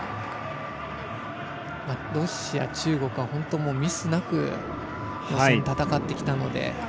ロシア、中国は本当、ミスなく予選戦ってきたので。